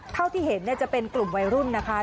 เท่าที่เห็นจะเป็นกลุ่มวัยรุ่นนะคะ